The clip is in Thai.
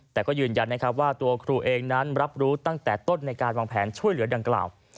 แต่ก็ยืนยันนะครับว่าตัวครูเองนั้นรับรู้ตั้งแต่ต้นในการวางแผนช่วยเหลือดังกล่าว